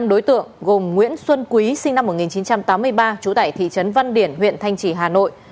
năm đối tượng gồm nguyễn xuân quý sinh năm một nghìn chín trăm tám mươi ba trú tại thị trấn văn điển huyện thanh trì hà nội